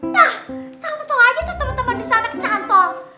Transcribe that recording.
nah sama sama aja tuh temen temen disana kecantol